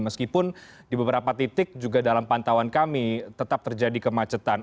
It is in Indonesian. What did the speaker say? meskipun di beberapa titik juga dalam pantauan kami tetap terjadi kemacetan